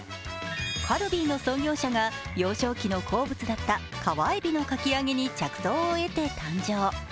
カルビーの創業者が幼少期の好物だった川えびのかき揚げに着想を得て誕生。